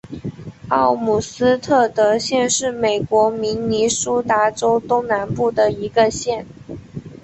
奥姆斯特德县是美国明尼苏达州东南部的一个县。